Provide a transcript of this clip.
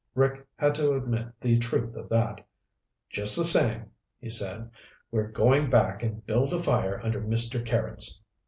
Rick had to admit the truth of that. "Just the same," he said, "we're going back and build a fire under Mister Carrots.